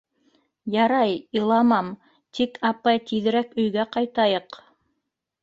— Ярай, иламам, тик, апай, тиҙерәк өйгә ҡайтайыҡ.